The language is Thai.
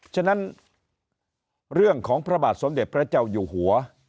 ฉะนั้นเรื่องของพระบาทสมเด็จพระเจ้าอยู่หัว